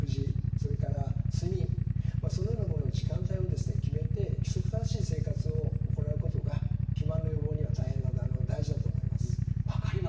それから睡眠そのようなものの時間帯を決めて規則正しい生活を行うことが肥満の予防には大変大事だと思います。